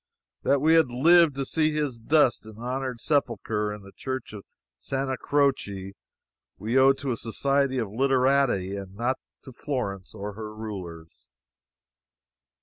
That we had lived to see his dust in honored sepulture in the church of Santa Croce we owed to a society of literati, and not to Florence or her rulers.